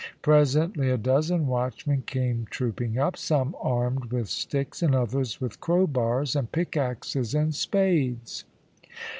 Presently a dozen watchmen came trooping up, some armed with sticks and others with crow bars and pick axes and spades.